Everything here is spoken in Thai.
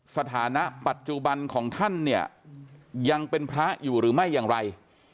สถานะปัจจุบันของท่านเนี่ยยังเป็นพระอยู่หรือไม่อย่างไร